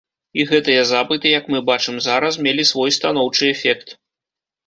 І гэтыя запыты, як мы бачым зараз, мелі свой станоўчы эфект.